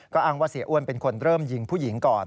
อ้างว่าเสียอ้วนเป็นคนเริ่มยิงผู้หญิงก่อน